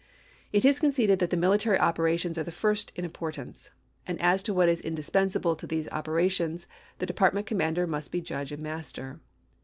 It is conceded that the military operations are the first in importance ; and as to what is indispensable to these operations the department commander must be judge and master.